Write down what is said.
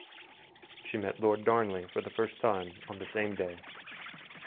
She met Lord Darnley for the first time on the same day.